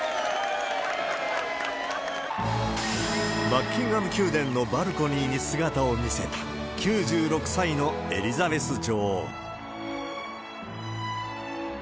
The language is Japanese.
バッキンガム宮殿のバルコニーに姿を見せた、９６歳のエリザベス女王。